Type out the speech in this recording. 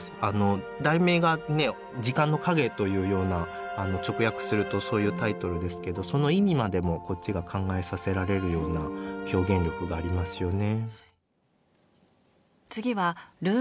題名がね「時間の影」というような直訳するとそういうタイトルですけどその意味までもこっちが考えさせられるような表現力がありますよね。